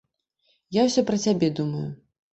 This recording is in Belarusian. Я ўсё пра цябе думаю.